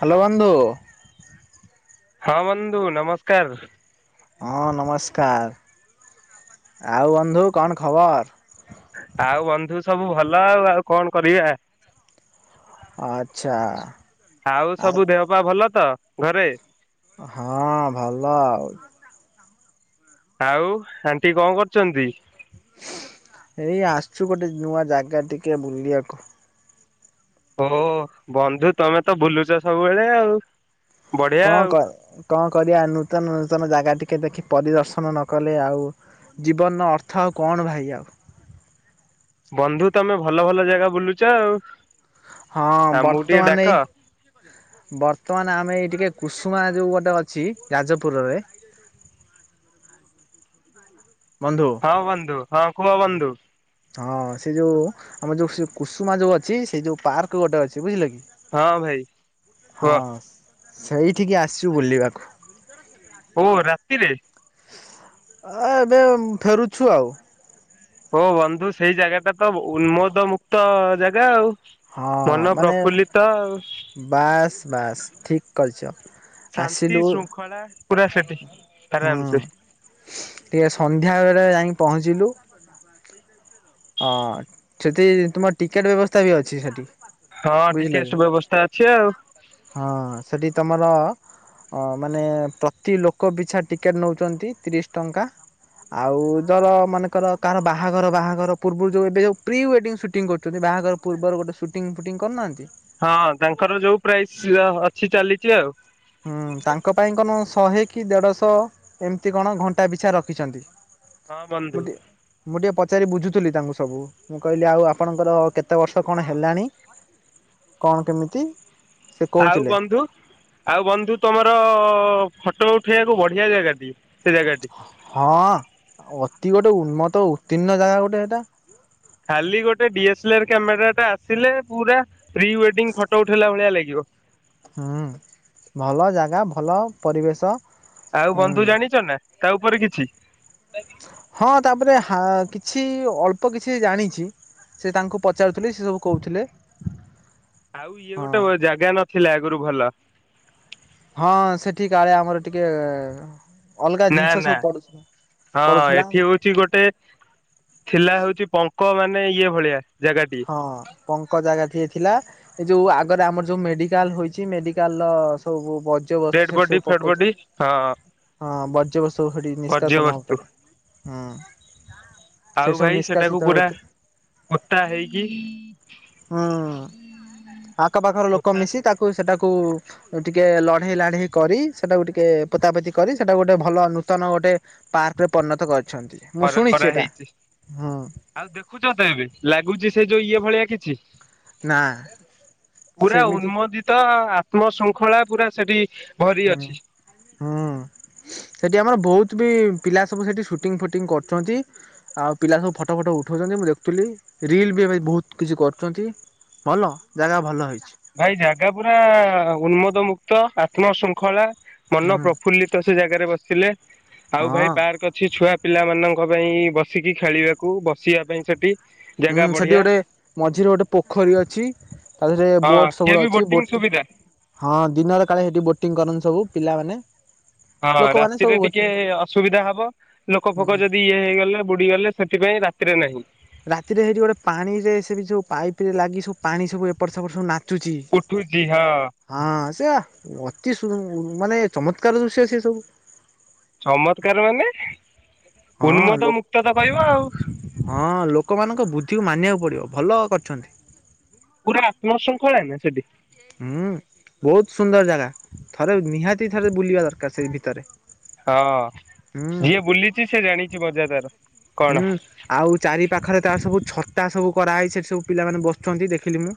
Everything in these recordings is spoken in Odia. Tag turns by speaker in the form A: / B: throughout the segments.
A: ହ୍ୟାଲୋ ବନ୍ଧୁ।
B: ହଁ ବନ୍ଧୁ ନମସ୍କାର।
A: ହଁ ନମସ୍କାର ଆଉ ବନ୍ଧୁ କଣ ଖବର?
B: ଆଉ ବନ୍ଧୁ ସବୁ ଭଲ ଆଉ ଆଉ କଣ କରିବା।
A: ଆଚ୍ଛା
B: ଆଉ ସବୁ ଦେହପା ଭଲ ତ ଘରେ।
A: ହଁ ଭଲ ଆଉ।
B: ଆଉ ଆଣ୍ଟି କଣ କରୁଛନ୍ତି?
A: ଏଇ ଆସୁଛୁ ଗୋଟେ ନୂଆ ଜାଗା ଟିକେ ବୁଲିବାକୁ।
B: ଓ ବନ୍ଧୁ ତମେ ତ ବୁଲୁଛ ସବୁବେଳେ ଆଉ। ବଢିଆ
A: କଣ
B: ଆଉ
A: କଣ କରିବା ନୂତନ ନୂତନ ଜାଗା ଟିକେ ଦେଖି ପରିଦର୍ଶନ ନକଲେ ଆଉ ଜୀବନର ଅର୍ଥ ଆଉ କଣ ଭାଇ ଆଉ।
B: ବନ୍ଧୁ ତମେ ଭଲ ଭଲ ଜାଗା ବୁଲୁଛ ଆଉ।
A: ହଁ
B: ଆମକୁ ଟିକେ
A: ବର୍ତ୍ତମାନ
B: ଡାକ
A: ଏଇ ବର୍ତ୍ତମାନ ଆମେ ଏଇ ଟିକେ କୁସୁମା ଯେଉଁ ଗୋଟେ ଅଛି ଯାଜପୁରରେ ବନ୍ଧୁ
B: ହଁ ବନ୍ଧୁ ହଁ କୁହ ବନ୍ଧୁ।
A: ହଁ ସେ ଯୋଉ ଆମର ଯୋଉ ସେ କୁସୁମା ଯୋଉ ଅଛି ସେ ଯୋଉ ପାର୍କ ଗୋଟେ ଅଛି ବୁଝିଲେ କି।
B: ହଁ ଭାଇ
A: ହଁ
B: କୁହ।
A: ସେଇଠିକି ଆସିବୁ ବୁଲିବାକୁ।
B: ଓହ ରାତିତିରେ।
A: ଆ ଏବେ ଫେରୁଛୁ ଆଉ।
B: ହୋ ବନ୍ଧୁ ସେଇ ଜାଗା ଟା ତ ଉନ୍ମୋଦ ମୁକ୍ତ ଜାଗା ଆଉ।
A: ହଁ
B: ମନ
A: ମାନେ
B: ପ୍ରଫୁଲ୍ଲିତ
A: ବାସ୍ ବାସ୍ ଠିକ୍ କରିଛ
B: ଶାନ୍ତି
A: ଆସିଲୁ
B: ଶୃଙ୍ଖଳା ପୁରା ସେଠି
A: ହୁଁ
B: ଆରାମ ସେ
A: ଟିକେ ସନ୍ଧ୍ୟା ବେଳେ ଯାଇ ପହଞ୍ଚିଲୁ। ହଁ ସେଠି ତୁମର ଟିକେଟ ବ୍ୟବସ୍ଥା ବି ଅଛି ସେଠି।
B: ହଁ
A: ବୁଝିଲ
B: ଟିକେ
A: କି
B: ସବୁ ବ୍ୟବସ୍ଥା ଅଛି ଆଉ।
A: ହଁ ସେଠି ତମର ହଁ ମାନେ ପ୍ରତି ଲୋକ ବିଛା ଟିକେଟ୍ ନେଉଛନ୍ତି ତିରିଶ ଟଙ୍କା। ଆଉ ଦର ମନେକର କାହାର ବାହାଘର ବାହାଘର ପୂର୍ବରୁ ଯୋଉ ଏବେ ଯୋଉ ପ୍ରି ୱେଡିଙ୍ଗ ସୁଟିଂ କରୁଚନ୍ତି ବାହା ଘର ପର୍ବରୁ ଗୋଟେ ସୁଟିଂ ଫୁଟିଂ କରୁନାହାନ୍ତି
B: ହଁ ତାଙ୍କର ଯୋଉ ପ୍ରାଇସ୍ ଅଛି ଚାଲିଚି ଆଉ
A: ହୁଁ ତାଙ୍କ ପାଇଁ କଣ ଶହେ କି ଦେଢ଼ଶହ ଏମିତି କଣ ଘଣ୍ଟା ପିଛା ରଖିଛନ୍ତି।
B: ହଁ
A: ମୁଁ
B: ବନ୍ଧୁ
A: ଟିଯେ ମୁଁ ଟିକେ ପଚାରି ବୁଝୁଥିଲି ତାଙ୍କୁ ସବୁ। ମୁଁ କହିଲି ଆଉ ଆପଣଙ୍କର କେତେ ବର୍ଷ କଣ ହେଲାଣି କଣ କେମିତି ସେ
B: ଆଉ
A: କହୁଥିଲେ
B: ବନ୍ଧୁ। ଆଉ ବନ୍ଧୁ ତମର ଫଟୋ ଉଠେଇଆକୁ ବଢିଆ ଜାଗା ଟି ସେ ଜାଗାଟି।
A: ହଁ ଅତି ଗୋଟେ ଉନ୍ନତ ଉତ୍ତୀର୍ଣ୍ଣ ଜାଗା ଗୋଟେ ସେଟା।
B: ଖାଲି ଗୋଟେ ଡି ଏସ୍ଲର କ୍ୟାମେରା ଟା ଆସିଲେ ପୁରା ପ୍ରି ୱେଡିଂ ଫଟୋ ଉଠେଇଲା ଭଳିଆ ଲାଗିବ।
A: ହୁଁ ଭଲ ଜାଗା ଭଲ ପରିବେଶ।
B: ଆଉ
A: ହୁଁ
B: ବନ୍ଧୁ ଜାଣିଚ ନା ତା ଉପରେ କିଛି?
A: ହଁ ତାପରେ ହା କିଛି ଅଳ୍ପ କିଛି ଜାଣିଚି। ସେ ତାଙ୍କୁ ପଚାରୁଥିଲି ସେ ସବୁ କହୁଥିଲେ।
B: ଆଉ ଇଏ
A: ହଁ
B: ଗୋଟେ ଜାଗା ନଥିଲା ଆଗରୁ ଭଲ।
A: ହଁ ସେଠି କାଳେ ଆମର ଟିକେ ଅଲଗା
B: ନା
A: ଜିନିଷ ସବୁ ପଡୁଥିଲା ପଡୁଥିଲା।
B: ଠି ଗୋଟେ ଥିଲା ହଉଚି ପଙ୍କ ମାନେ ଇଏ ଭଳିଆ ଜାଗାଟିଏ
A: ହଁ ପଙ୍କ ଜାଗା ଟିଏ ଥିଲା। ଏ ଯୋଉ ଆଗରେ ଆମର ଯୋଉ ମେଡିକାଲ ହୋଇଚି ମେଡିକାଲ ର ସବୁ ପଜ ଯ୍ୟର୍ବସ୍ତୁ
B: ଡେଡ
A: ସେଠି
B: ବଡି
A: ସବୁ
B: ଫେଡ ବଡି
A: ପକଉଥିଲେ।
B: ହଁ
A: ହଁ ବର୍ଜ୍ୟବସ୍ତୁ ସେଠି ନିଷ୍କାସନ
B: ବର୍ଜ୍ୟବସ୍ତୁ
A: ହଉଥିଲା। ହୁଁ।
B: ଆଉ
A: ସେଠି ସବୁ
B: ଭାଇ ସେଟାକୁ
A: ନିଷ୍କାସିତ
B: ପୁରା
A: ହଉଥିଲା।
B: ପୋତା ହେଇକି
A: ହୁଁ ଆଖପାଖର ଲୋକ
B: ପୋତା
A: ମିଶି ତାକୁ ସେଟାକୁ ଟିକେ ଲଢେଇ ଲାଢେଇ କରି ସେଟାକୁ ଟିକେ ପୋତାପୋତି କରି ସେଟାକୁ ଗୋଟେ ଭଲ ନୂତନ ଗୋଟେ ପାର୍କରେ ପରିଣତ କରିଛନ୍ତି ମୁଁ
B: କରା
A: ଶୁଣିଚି ସେଟା
B: କରାହେଇଛି।
A: ହୁଁ।
B: ଆଉ ଦେଖୁଛ ତ ଏବେ ଲାଗୁଚି ସେ ଯୋଉ ଇଏ ଭଳିଆ କିଛି।
A: ନା
B: ପୁରା
A: ସେମିତି
B: ଉନ୍ମୋଦିତ ଆତ୍ମ ଶୃଙ୍ଖଳା ପୁରା ସେଠି ଭରି
A: ହୁଁ
B: ଅଛି।
A: ହୁଁ। ସେଠି ଆମର ବହୁତ ବି ପିଲା ସବୁ ସେଠି ସୁଟିଂ ଫୁଟିଂ କରୁଚନ୍ତି। ଆଉ ପିଲା ସବୁ ଫଟୋ ଫଟୋ ଉଠାଉଚନ୍ତି ମୁଁ ଦେଖୁଥିଲି ରିଲ୍ ବି ଏବେ ବହୁତ କିଛି କରୁଚନ୍ତି। ଭଲ ଜାଗା ଭଲ ହୋଇଚି।
B: ଭାଇ ଜାଗା ପୁରା ଉନ୍ମୋଦ ମୁକ୍ତ ଆତ୍ମ ଶୃଙ୍ଖଳା। ମନ
A: ହୁଁ
B: ପ୍ରଫୁଲ୍ଲିତ ସେ ଜାଗାରେ ବସିଲେ ଆଉ
A: ହଁ
B: ଭାଇ ପାର୍କ ଅଛି ଛୁଆ ପିଲାମାନଙ୍କ ପାଇଁ ବସିକି ଖେଳିଆକୁ ବସିବା ପାଇଁ ସେଠି।
A: ହୁଁ
B: ଜାଗା
A: ସେଠି
B: ବଢିଆ
A: ଗୋଟେ ମଝିରେ ଗୋଟେ ପୋଖରୀ ଅଛି। ତାଧୀରେ
B: ହଁ
A: ବୋଟ
B: ସିଏ
A: ସବୁୁ
B: ବି
A: ଅଛି ବୋଟିଂ
B: ସୁବିଧା।
A: ହଁ ଦିନରେ କାଳେ ସେଠି ବୋଟିଂ କରନ୍ତି ସବୁ ପିଲାମାନେ।
B: ହଁ
A: ଲୋକମାନେ ସବୁ
B: ରାତିରେ
A: ବୋଟିଂ
B: ଟିକେ
A: କରନ୍ତି।
B: ଅସୁବିଧା ହବ ଲୋକ ଫୋକ
A: ହୁଁ।
B: ଯଦି ଇଏ ହେଇଗଲେ ବୁଡିଗଲେ। ସେଥିପାଇଁ ରାତିରେ ନାହିଁ।
A: ରାତିରେ ହେଇଠି ଗୋଟେ ପାଣି ରେ ସେ ବି ସବୁ ପାଇପ ରେ ଲାଗି ସବୁ ପାଣି ସବୁ ଏପଟ ସେପଟ ସବୁ ନା ଚୁଜି।
B: ଉଠୁଛି ହଁ
A: ହଁ ସେଆ ଅତି ସୁ ମାନେ ଚମତ୍କାର ଦୃଶ୍ୟ ସେ ସବୁ।
B: ଚମତ୍କାର ମାନେ
A: ହଁ
B: ଉନ୍ମୋଦ
A: ଲୋ
B: ମୁକ୍ତ ତ କହିବ ଆଉ
A: ହଁ ଲୋକମାନଙ୍କ ବୁଦ୍ଧିକୁ ମାନିଆକୁ ପଡିବ ଭଲ କରିଚନ୍ତି।
B: ପୁରା ଆତ୍ମଶୃଙ୍ଖଳା ନା ସେଠି?
A: ହୁଁ ବହୁତ ସୁନ୍ଦର ଜାଗା, ଥରେ ନିହାତି ଥରେ ବୁଲିବା ଦରକାର ସେଇ ଭିତରେ।
B: ହଁ
A: ହୁଁ
B: ଯିଏ ବୁଲିଛି ସେ ଜାଣିଛି ମଜା ତାର। କଣ
A: ହୁଁ ଆଉ ଚାରି ପାଖରେ ତାର ସବୁ ଛଟା ସବୁ କରାହୋଇ ସେଠି ସବୁ ପିଲାମାନେ ବସୁଛନ୍ତି ଦେଖିଲି ମୁଁ।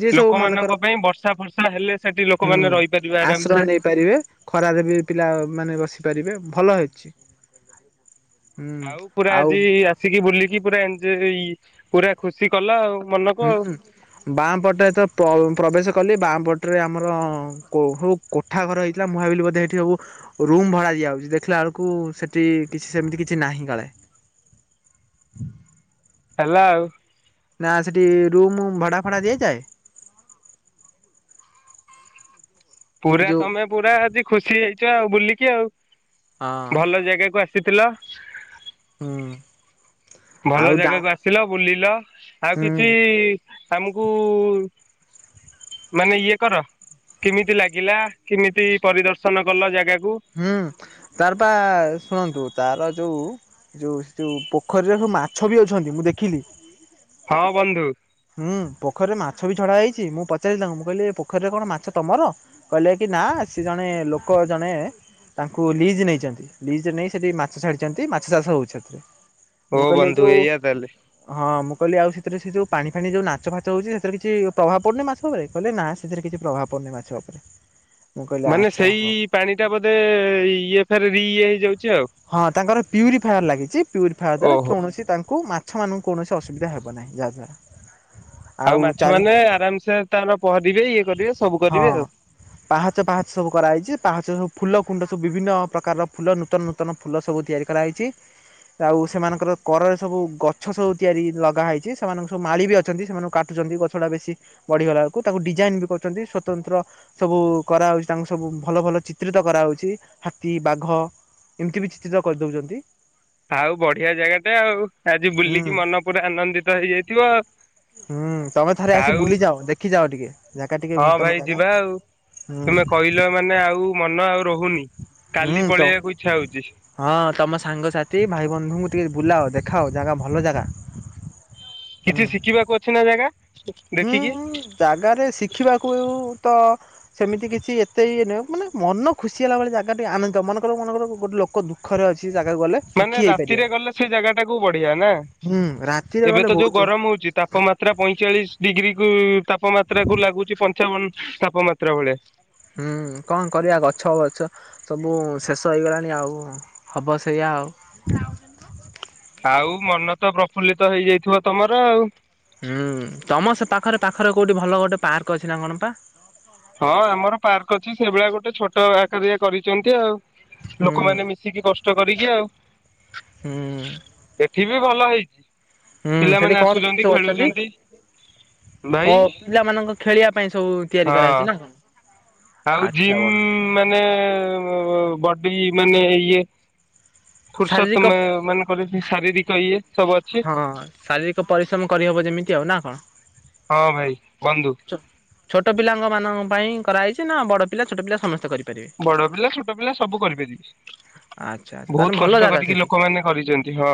A: ଯିଏ ସବୁ ମନେକର,
B: ଲୋକମାନଙ୍କ ପାଇଁ ବର୍ଷା ଫର୍ଷା ହେଲେ ସେଠି ଲୋକମାନେ
A: ହୁଁ
B: ରହିପାରିବେ
A: ଆଶ୍ରୟ
B: ଆରାମସେ
A: ନେଇପାରିବେ। ଖରାରେ ବି ପିଲାମାନେ ବସିପାରିବେ ଭଲ ହେଇଛି। ହୁଁ।
B: ଆଉ ପୁରା
A: ଆଉ
B: ଆଜି ଆସିକି ବୁଲିକି ପୁରା ଏ ପୁରା ଖୁସି କଲ ଆଉ ମନକୁ ଆଉ।
A: ବାଁପଟେ ତ ପ୍ରବେଶ କଲି ବାଁ ପଟରେ ଆମର ହଉ। କୋଠା ଘର ହେଇଥିଲା ମୁହାବିଲ ବୋଧେ ଏଇଠି ସବୁ ରୁମ୍ ଭଡ଼ା ଦିଆଯାଉଛି ଦେଖିଲା ବେଳକୁ ସେଠି କିଛି ସେମିତି କିଛି ନାହିଁ କାଳେ।
B: ହେଲା ଆଉ।
A: ନା ସେଠି ରୁମୁ ଭଡ଼ା ଫଡ଼ା ଦିଆଯାଏ? ଏ
B: ପୁରା
A: ଯୋଉ
B: ତମେ ପୁରା ଆଜି ଖୁସି ହେଇଛ ଆଉ ବୁଲିକି ଆଉ।
A: ହଁ
B: ଭଲ ଜାଗାକୁ ଆସି ସିଥିଲ।
A: ହୁଁ
B: ଭଲ
A: ଆଉ ଡା
B: ଜାଗାକୁ ଆସିଲ, ବୁଲିଲ। ଆଉ
A: ହୁଁ
B: କିଛି ଆମକୁ ମାନେ ଇଏ କର। କେମିତି ଲାଗିଲା? କେମିତି ପରିଦର୍ଶନ କଲ ଜାଗାକୁ?
A: ହୁଁ, ତାର ପା ଶୁଣନ୍ତୁ। ତାର ଯୋଉ ଯୋଉ ଯୋଉ ପୋଖରୀରେ ସବୁ ମାଛ ବି ଅଛନ୍ତି ମୁଁ ଦେଖିଲି।
B: ହଁ ବନ୍ଧୁ।
A: ହୁଁ ପୋଖରୀ ରେ ମାଛ ବି ଛଡା ହେଇଛି। ମୁଁ ପଚାରିଲି ତାଙ୍କୁ। ମୁଁ କହିଲି ଏ ପୋଖରୀରେ କଣ ମାଛ ତମର? କହିଲେ କି ନା ସେ ଜଣେ ଲୋକ ଜଣେ ତାଙ୍କୁ ଲିଜ୍ ନେଇଛନ୍ତି। ଲିଜରେ ନେଇ ସେଠି ମାଛ ଛାଡିଛନ୍ତି। ମାଛ ଚାଷ ହଉଛି ସେଥିରେ।
B: ଓ
A: ମୁଁ କହିଲି ଏ
B: ବନ୍ଧୁ
A: ଯୋଉ
B: ଏଇଆ ତାହେଲେ
A: ହଁ ମୁଁ କହିଲି ଆଉ ସେଥିରେ ସେ ଯୋଉ ପାଣି ଫାଣି ଯଉ ନାଚ ଫାଚ ହଉଛି ସେଥିରେ କିଛି ପ୍ରଭାବ ପଡ଼ୁନି ମାଛ ଉପରେ କହିଲେ ନା ସେଥିରେ କିଛି ପ୍ରଭାବ ପଡ଼ୁନି ମାଛ ଉପରେ। ମୁଁ କହିଲି
B: ମାନେ
A: ଆଚ୍ଛା
B: ସେଇ
A: ହଉ।
B: ପାଣି ଟା ବୋଧେ ଇଏ ଫେର ରି ଇଏ ହେଇଯାଉଛି। ଆଉ
A: ହଁ ତାଙ୍କର ପ୍ୟୁରିଫାୟାର ଲାଗିଛି। ପ୍ୟୁରିଫାୟାର ଦ୍ଵାରା
B: ଓହୋ
A: କୌଣସି ତାଙ୍କୁ ମା ଛ ମାନଙ୍କୁ କୌଣସି ଅସୁବିଧା ହେବ ନାହିଁ ଏହାଦ୍ଵାରା।
B: ଆଉ ମାଛ ମାନେ ଆରାମସେ ତାର ପହଁରିବେ ଇଏ କରିବେ ସବୁ
A: ହଁ
B: କରିବେ ଆଉ।
A: ପାହାଚ ପାହାଚ ସବୁ କରାହେଇଛି। ପାହାଚ ସବୁ ଫୁଲ କୁଣ୍ଡ ସବୁ ବିଭିନ୍ନ ପ୍ରକାରର ଫୁଲ ନୂତନ ନୂ ନୂତନ ଫୁଲ ସବୁ ତିଆରି କରାହେଇଛି। ଆଉ ସେମାନଙ୍କର କରରେ ସବୁ ଗଛ ସବୁ ତିଆରି ଲଗା ହେଇଛି। ସେମାନଙ୍କୁ ସବୁ ମାଳି ବି ଅଛନ୍ତି। ସେମାନଙ୍କୁ କାଟୁଛନ୍ତି ଗଛଟା ବେଶୀ ବଢିଗଲା ବେଳକୁ, ତାକୁ ଡିଜାଇନ ବି କରୁଛନ୍ତି ସ୍ୱତନ୍ତ୍ର ସବୁ କରାହଉଛି ତାଙ୍କ ସବୁ ଭଲ ଭଲ ଚିତ୍ରିତ କରାହଉଛି। ହାତୀ, ବାଘ ଏମିତି ବି ଚି ଚିତ୍ର କରିଦଉଛନ୍ତି।
B: ଆଉ ବଢିଆ ଜାଗା ଟା ଆଉ। ଆଜି
A: ହୁଁ
B: ବୁଲିକି ମନ ପୁରା ଆନନ୍ଦିତ ହେଇଯାଇଥିବ ଆ
A: ହୁଁ ତମେ ଥରେ ଆସି ବୁଲିଯାଅ, ଦେଖିଯାଅ ଟିକେ ଜାଗା ଟିକେ
B: ହଁ ଭାଇ
A: ନୂତନ ଜାଗା।
B: ଯିବା ଆଉ ତୁମେ କହିଲ
A: ହୁଁ।
B: ମାନେ ଆଉ ମନ ଆଉ ରହୁନି, କାଲି
A: ହୁଁ ତ
B: ପଳେଇବାକୁ ଇଚ୍ଛା ହଉଛି।
A: ହଁ ତମ ସାଙ୍ଗସାଥି ଭାଇ ବନ୍ଧୁଙ୍କୁ ଟିକେ ବୁଲାଅ ଦେଖାଅ ଜାଗା ଭଲ ଜାଗା। ହ
B: କିଛି ଶିଖିବାକୁ ଅଛି ନା ଜାଗା?
A: ହୁଁ
B: ଦେଖିକି
A: ହୁଁ ଜାଗାରେ ଶିଖିବାକୁ ତ ସେମିତି କିଛି ଏତେ ଇଏ ନୁହଁ ମାନେ ମନ ଖୁସି ହେଲା ଭଳି ଜାଗାଟେ ଆନନ୍ଦିତ ମନକର ମନେକର ଗୋଟେ ଲୋକ ଦୁ ଦୁଃଖ ରେ ଅଛି ଜାଗାକୁ ଗଲେ
B: ମାନେ
A: ସୁଖୀ ହେଇପାରିବ
B: ରାତିରେ ଗଲେ ସେ ଜାଗା ଟାକୁୁ ବଢିଆ ନା।
A: ହୁଁ ରାତିରେ
B: ଏବେ
A: ଗଲେ
B: ତ ଯୋଉ
A: ବହୁତ
B: ଗରମ ହଉଛି ତା ତାପମାତ୍ରା ପଇଁଚାଳିଶ ଡିଗ୍ରୀ କୁ ତାପମାତ୍ରା କୁ ଲାଗୁଛି ପଞ୍ଚାବନ ତାପମାତ୍ରା ଭଳିଆ।
A: ହୁଁ କଣ କରିବା? ଗଛ ବଛ ସବୁ ଶେଷ ହେଇଗଲାଣି ଆଉ। ହବ ସେଇୟା ଆଉ।
B: ଆଉ ମନ ତ ପ୍ରଫୁଲ୍ଲିତ ହେଇଯାଇଥିବ ତମର ଆଉ।
A: ହୁଁ ତମ ସେ ପାଖରେ ପାଖରେ କୋଉଠି ଭଲ ଗୋଟେ ପାର୍କ ଅଛି ନା କଣ ପା?
B: ହଁ ଆମର ପାର୍କ ଅଛି। ସେଇଭଳିଆ ଗୋଟେ ଛୋଟ ଆକାର ଇଆ କରିଛନ୍ତି ଆଉ।
A: ହୁଁ
B: ଲୋକମାନେ ମି ଶିକି କଷ୍ଟ କରିକି ଆଉ।
A: ହୁଁ
B: ଏଠି ବି ଭଲ ହେଇଚି।
A: ହୁଁ, ସେଠି କଣ କେମିତି ସବୁ ଅଛନ୍ତି?
B: ଭାଇ
A: [unintelligible] ପିଲାମାନଙ୍କ ଖେଳିବା ପାଇଁ ସବୁ ତିଆରି କରାହେଇଚି
B: ହଁ।
A: ନା।
B: ଆଉ
A: ଆଚ୍ଛା
B: ଜିମ୍ ମାନେ ବଡି ମାନେ ଇଏ ଫୁର୍ସତ
A: ଶାରୀରିକ
B: [unintelligible] ମାନେ କରିଚି ଶାରୀରିକ ଇଏ ସବୁ ଅଛି।
A: ହଁ, ଶାରୀରିକ ପରିଶ୍ରମ କରିହବ ଯେମିତି ଆଉ ନା କଣ?
B: ହଁ ଭାଇ, ବନ୍ଧୁ।
A: ଛୋଟ ପିଲାଙ୍କ ମାନଙ୍କ ପାଇଁ କରାହେଇଚି ନା ବଡ ପିଲା ଛୋଟ ପିଲା ସମସ୍ତେ କରିବେ?
B: ବଡ ପିଲା ଛୋଟ ପିଲା ସବୁ କରିପାରିବେ,
A: ଆଚ୍ଛା ଆଚ୍ଛା ତାହେଲେ
B: ବହୁତ୍
A: ଭଲ
B: କଷ୍ଟ
A: ଜାଗା
B: କରିକି
A: ସେଠି।
B: ଲୋକମାନେ କରିଚନ୍ତି। ହଁ,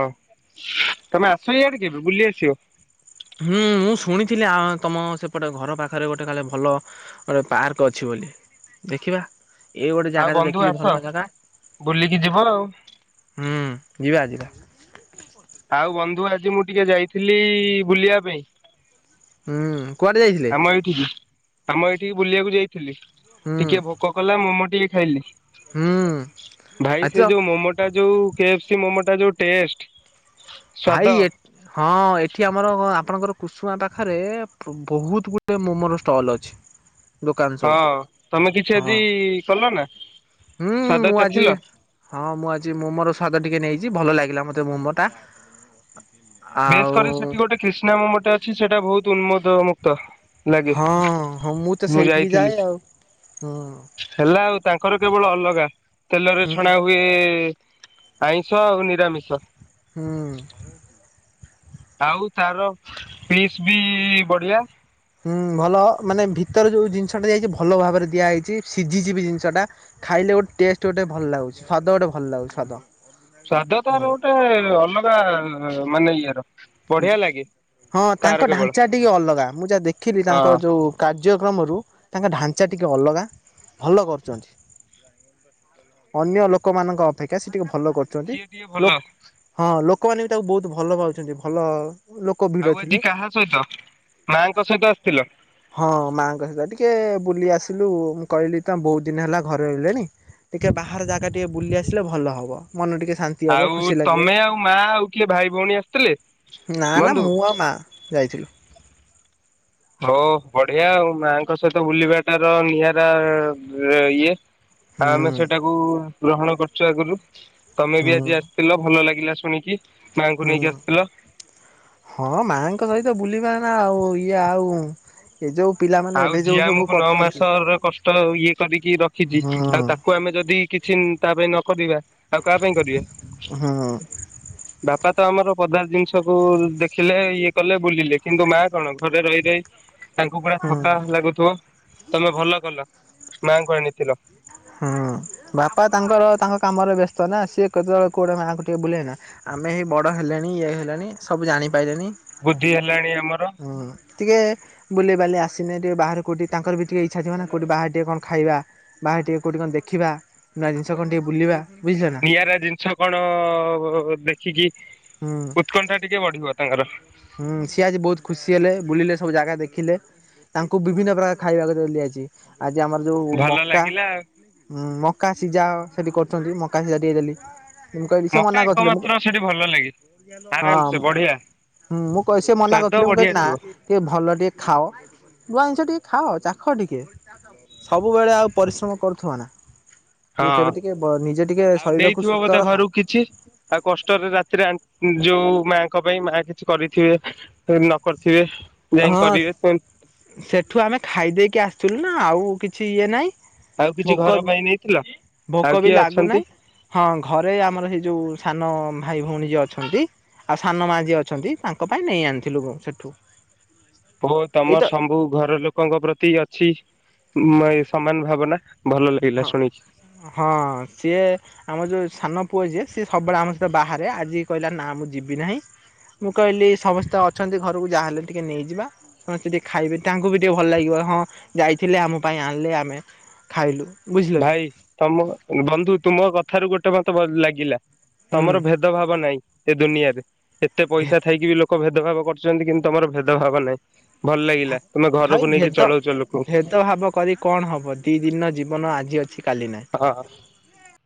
B: ତମେ ଆସ ଇଆଡେ କେବେ ବୁଲି ଆସିବ।
A: ହୁଁ ମୁଁ ଶୁଣିଥିଲି ଆ ତମ ସେପଟେ ଘର ପାଖେରେ ଗୋଟେ [unintelligible] ଭଲ ଗୋଟେ ପାର୍କ ଅଛି ବୋଲି, ଦେଖିବା ଏଇ ଗୋଟେ
B: ଆଉ
A: ଜାଗା ତ
B: ବନ୍ଧୁ
A: ଦେଖିଲି
B: ଆସ
A: ଭଲ ଜାଗା।
B: ବୁଲିକି ଯିବ ଆଉ।
A: ହୁଁ, ଯିବା-ଯିବା।
B: ଆଉ ବନ୍ଧୁ ଆଜି ମୁଁ ଟିକେ ଯାଇଥିଲି ବୁଲିବା ପାଇଁ।
A: ହୁଁ, କୁଆଡେ ଯାଇଥିଲେ?
B: ଆମ ଏଇଠିକି ଆମ ଏଇଠିକି ବୁଲିଆକୁ ଯାଇଥିଲି
A: ହୁଁ
B: ଟିକେ ଭୋକ କଲା ମୋମୋ ଟିକେ ଖାଇଲି।
A: ହୁଁ
B: ଭାଇ
A: ଆଚ୍ଛ
B: ସେ ଯୋଉ ମୋମୋଟା ଯୋଉ କେ ଏଫ୍ ସି ମୋମୋଟା ଯୋଉ ଟଷ୍ଟ
A: ଭାଇ ଏ ହଁ ଏଠି ଆମର ଆପଣଙ୍କର କୁସୁମା ପାଖେରେ ବହୁତ୍ ଗୁଡ଼ିଏ ମୋମୋର ଷ୍ଟଲ୍ ଅଛି। ଦୋକାନ ସବୁ।
B: ହଁ ତମେ କିଛି ଆଜି କଲ ନା
A: ହଁ
B: ସ୍ଵାଦ ଚାଖିଲ?
A: ମୁଁ ଆଜି ମୋମୋର ସ୍ଵାଦ ଟିକେ ନେଇଚି, ଭଲ ଲାଗିଲା ମତେ ମୋମୋ ଟା।
B: ବେଶ୍
A: ଆଉ
B: କରି ସେଠି ଗୋଟେ କ୍ରିଷ୍ଣା ମୋମୋ ଟା ଅଛି, ସେଇଟା ବହୁତ୍ ଉନ୍ମୋଦ ମୁୁକ୍ତ।
A: ହଁ-ହଁ ମୁଁ ତ ସେଇଠିକି ଯାଏ ଆଉ ହୁଁ।
B: ହେଲା ଆଉ ତାଙ୍କର କେବଳ ଅଲଗା ତେଲରେ
A: ହୁଁ
B: ଛଣା ହୁଏ ଆଇଁଷ ଆଉ ନିରାମିଷ।
A: ହୁଁ।
B: ଆଉ ତାର ପିସ୍ ବି ବଢିଆ।
A: ହୁଁ ଭଲ ମାନେ ଭିତରେ ଯୋଉ ଜିନିଷଟା ଦିଆ ହେଇଚି ଭଲ ଭାବରେ ଦିଆ ହେଇଚି ସିଝିଯିବ ଜିନିଷଟା। ଖାଇଲେ ଗୋଟେ ଟେଷ୍ଟ ଗୋଟେ ଭଲ ଲାଗୁଚି, ସ୍ୱାଦ ଗୋଟେ ଭଲ ଲାଗୁଚି ସ୍ୱାଦ।
B: ସ୍ଵାଦ ତାର ଗୋଟେ ଅଲଗା ମାନେ ଇଏ ର।
A: ହଁ ତାଙ୍କ
B: କେବଳ
A: ଢାଞ୍ଚା ଟିକେ ଅଲଗା, ମୁଁ ଯାହା ଦେଖିଲି ତାଙ୍କ
B: ହଁ
A: ଯୋଉ କାର୍ଯ୍ୟକ୍ରମରୁ ତାଙ୍କ ଢାଞ୍ଚା ଟିକେ ଅଲଗା ଭଲ କରୁଚନ୍ତି। ଅନ୍ୟ ଲୋକମାନଙ୍କ ଅପେକ୍ଷା ସେ ଟିକେ ଭଲ କରୁ ଚନ୍ତି,
B: ସିଏ ଟିକେ ଭଲ
A: ଲୋକ୍ ହଁ ଲୋକମାନେ ବି ତାକୁ ବହୁତ୍ ଭଲ ପାଉଚନ୍ତି ଭଲ ଲୋ
B: ଆଉ ଆଜି କାହା ସହିତ ମା ଙ୍କ ସହିତ ଆସିଥିଲ?
A: ହଁ ମା ଙ୍କ ସହିତ ଟିକେ ବୁଲି ଆସିଲୁ, ମୁଁ କହିଲି ତ ବହୁତ୍ ଦିନ ହେଲା ଘରେ ରହିଲେଣି ଟିକେ ବାହାର ଜାଗା ଟିକେ ବୁଲି ଆସିଲେ ଭଲ ହବ, ମନ ଟିକେ ଶାନ୍ତି ହବ
B: ଆଉ
A: ଖୁସି ଲାଗିବ।
B: ତମେ ଆଉ ମାଆ ଆଉ କିଏ ଭାଇ ଭଉଣୀ ଆ
A: ନା-ନା ମୁଁ ଆଉ ମା ଯାଇଥିଲୁ।
B: [unintelligible] ବଢିଆ ଆଉ ମା ଙ୍କ ସହିତ ବୁଲିବାଟାର ନିଆରା ଇଏ [unintelligible]
A: ହୁଁ
B: ଆମେ ସେଇଟାକୁ ଗ୍ରହଣ କରୁଚୁ ଆଗୁରୁ। ତମେ ବି
A: ହୁଁ।
B: ଆଜି ଆସିଥିଲ ଭଲ ଲାଗିଲା ଶୁଣିକି ମା ଙ୍କୁ
A: ହୁଁ
B: ନେଇକି ଆସିଥିଲ।
A: ହଁ ମାଙ୍କ ସହିତ ବୁଲିବା ନା ଆଉ ଇଏ ଆଉ ଏ ଯୋଉ ପିଲା
B: ଆଉ ଯିଏ ଆମକୁ ନଅ ମାସର କଷ୍ଟ ଇଏ କରିକି ରଖିଛି
A: ହୁଁ
B: ଆଉ ତାକୁ କୁ ଆମେ ଯଦି କିଛି ତା ପାଇଁ ନକରିବା ଆଉ କାହା ପାଇଁ
A: ହୁଁ
B: କରିବା। ବାପା ତ ଆମର ପଦା ଜିନିଷକୁ ଦେଖିଲେ ଇଏ କଲେ ବୁଲିଲେ କିନ୍ତୁ ମା କଣ ଘରେ ରହି ରହି ତାଙ୍କୁ ପଡା ଥକା
A: ହୁଁ।
B: ଲାଗୁଥିବ ତମେ ଭଲ କଲ ମାଙ୍କୁ ଆଣିଥିଲ।
A: ହୁଁ ବାପା ତାଙ୍କର ତାଙ୍କ କାମରେ ବ୍ୟସ୍ତ ନା ସିଏ କେତେବେଳେ କଉଟେ ମାଆଙ୍କୁ ଟିକେ ବୁଲେନା ଆମେ ଏଇ ବଡ ହେଲେଣି ଇଏ ହେଲେଣି ସବୁ ଜାଣିପାଇଲେଣି।
B: ବୁଦ୍ଧି ହେଲାଣି ଆମର।
A: ହଁ ଟିକେ ବୁଲ ବାଲି ଆସିନେ ଟେ ବାହାର କୋଉଠି ତାଙ୍କର ବି ଟିକେ ଇଚ୍ଛା ଥିବ ନା କଉଠି ବାହାର ଟିକେ କଣ ଖାଇବା ବାହାର ଟିକେ କେଉଁଠି କଣ ଦେଖିବା ନୂଆ ଜିନିଷ କଣ ଟିକେ ବୁଲିବା ବୁଝିଲେନା?
B: ଜିନିଷ କଣ ଦେଖିକି
A: ହୁଁ
B: ଉତ୍କଣ୍ଠା ଟିକେ ବଢିବ ତାଙ୍କର
A: ହୁଁ ସିଏ ଆଜି ବହୁତ ଖୁସି ହେଲେ ବୁଲିଲେ ସବୁ ଜାଗା ଦେଖିଲେ। ତାଙ୍କୁ ବିଭିନ୍ନ ପ୍ରକାର ଖାଇବାକୁ ଦିଲ୍ଲୀ ଆଜି ଆମର ଯୋଉ
B: ଭଲ
A: ମକା
B: ଲାଗିଲା
A: ହୁଁ ମକା ସିଝା ସେଠି କରୁଛନ୍ତି ମକା ସିଝା ଟିକେ ଦେଲି। ମୁ କହିଲି ସେ
B: ମକା
A: ମନା କରିଥିଲେ ମୁ
B: ଏକମାତ୍ର
A: ହଁ
B: ସେଠି ଭଲ ଲାଗେ ଆରାମ ସେ ବଢିଆ।
A: ହୁଁ ମୁଁ କ ସେ ମନା
B: ସ୍ଵାଦ
A: କରୁଥିଲ ମୁଁ
B: ବଢିଆ
A: କହିଲି ନା।
B: ଥିବ
A: ଟିକେ ଭଲ ଟିକେ ଖାଅ ନୂଆ ଜିନିଷ ଟିକେ ଖାଅ ଚାଖ ଟିକେ ସବୁବେଳେ ଆଉ ପରିଶ୍ରମ କରୁଥିବ ନା।
B: ହଁ
A: କିଏ କେବେ ଟିକେ ନିଜେ ଟିକେ
B: ଆଉ
A: ଶରୀରକୁୁ
B: ନେଇଥିବ ବୋଧେ
A: ସୁସ୍ଥ ରଖ।
B: ଘରକୁ କିଛି। ଆଉ କଷ୍ଟରେ ରାତିରେ ଯୋଉ ମାଙ୍କ ପାଇଁ ମା କିଛି କରିଥିବେ। ନ କରିଥିବେ। ଯାଇ
A: ହଁ
B: କରିବେ
A: ସେଠୁ ଆମେ ଖାଇଦେଇକି ଆସିଥିଲୁ ନା ଆଉ କିଛି ଇଏ ନାହିଁ।
B: ଆଉ କିଛି ଘର
A: ଭୋକ
B: ପାଇଁ ନେଇଥିଲ? ଆଉ
A: ଭୋକ ବି
B: କିଏ ଅଛନ୍ତି
A: ଲାଗୁନାହିଁ। ହଁ ଘରେ ଆମର ହେଇ ଯୋଉ ସାନ ଭାଇ ଭଉଣୀ ଯିଏ ଅଛନ୍ତି। ଆଉ ସାନ ମାଆ ଯିଏ ଅଛନ୍ତି ତାଙ୍କ ପାଇଁ ନେଇ ଆଣିଥିଲୁ ସେଠୁ।
B: ପୁ
A: ଏଇତ
B: ତମର ସବୁ ଘର ଲୋକ ଲୋକଙ୍କ ପ୍ରତି ଅଛି ସମାନ ଭାବନା ଭଲ ଲାଗିଲା
A: ହଁ
B: ଶୁଣିକି।
A: ହଁ ସିଏ ଆମ ଯୋଉ ସାନ ପୁଅ ଯିଏ ସିଏ ସବୁବେଳେ ଆମ ସହିତ ବାହାରେ ଆଜି କହିଲା ନା ମୁଁ ଯିବି ନାହିଁ। ମୁଁ କହିଲି ସମସ୍ତେ ଅଛନ୍ତି ଘରକୁ ଯାହାହେଲେ ଟିକେ ନେଇଯିବା। ସମସ୍ତେ ଟିକେ ଖାଇବେ ତାଙ୍କୁ ବି ଟିକେ ଭଲ ଲାଗିବ ହଁ ଯାଇଥିଲେ ଆମ ପାଇଁ ଆଣିଲେ ଆମେ ଖାଇଲୁ। ବୁଝିଲ କି
B: ଭାଇ ତମ ବନ୍ଧୁ ତୁମ କଥାରୁ ଗୋଟେ ମତ ଲାଗିଲା
A: ହୁଁ
B: ତମର ଭେ ଭେଦ ଭାବ ନାହିଁ ଏ ଦୁନିଆରେ ଏତେ
A: ଭେ
B: ପଇସା ଥାଇକି ବି ଲୋକ ଭେଦଭାବ କରୁଛନ୍ତି କିନ୍ତୁ ତମର ଭେଦଭାବ ନାହିଁ। ଭଲ ଲାଗିଲା ତମେ
A: ଭାଇ
B: ଘରକୁ ନେଇକି
A: ଭେଦ
B: ଚଳଉଛ ଲକୁ
A: ଭେଦଭାବ କରି କଣ ହବ ଦି ଦିନ ଜୀବନ ଆଜି ଅଛି କାଲି ନାହିଁ।
B: ହଁ